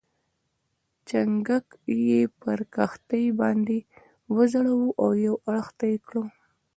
چنګک یې پر کښتۍ باندې وځړاوه او یو اړخ ته یې کړ.